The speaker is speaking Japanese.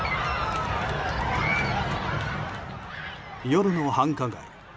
夜の繁華街。